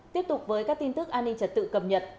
tiếp tục với các tin tức an ninh trật tự cập nhật